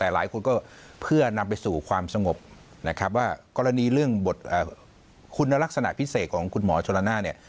หลายคนก็เพื่อนำไปสู่ความสงบว่ากรณีเรื่องบทคุณลักษณะพิเศษของคุณหมอจรณา